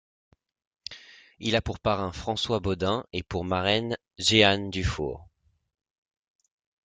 Il a pour parrain François Baudin et pour marraine Jehanne Dufour.